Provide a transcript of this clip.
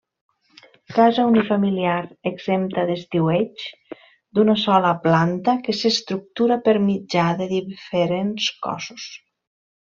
Casa unifamiliar exempta d'estiueig, d'una sola planta, que s'estructura per mitjà de diferents cossos.